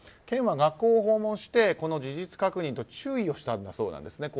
県は学校を訪問してこの事実確認と注意をしたんだそうです。